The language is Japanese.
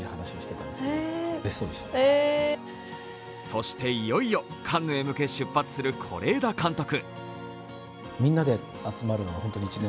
そして、いよいよカンヌへ向け出発する是枝監督。